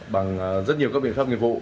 bằng rất nhiều các biện pháp nghiệp vụ